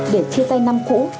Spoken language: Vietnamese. để chia tay năm cũ